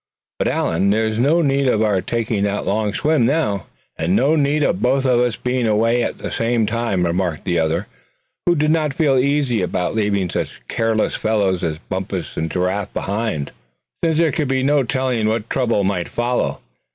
But Allan, there's no need of our taking that long swim, now." "And no need of both of us being away at the same time," remarked the other, who did not feel easy about leaving such careless fellows as Bumpus and Giraffe behind, since there could be no telling what trouble might not follow.